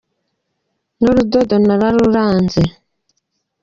Ni urudodo nararurazwe